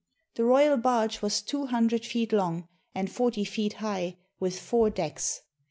The royal barge was two hundred feet long and forty feet high, with four decks.